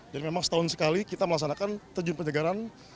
dan memang setahun sekali kita melaksanakan terjun penyegaran